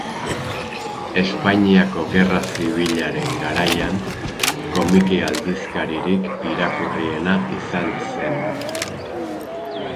Espainiako Gerra Zibilaren garaian, komiki aldizkaririk irakurriena izan zen.